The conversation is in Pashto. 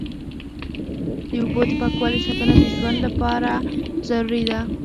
د اوبو د پاکوالي ساتنه د ژوند لپاره ضروري ده.